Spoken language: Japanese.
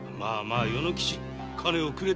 与之吉金をくれてやる。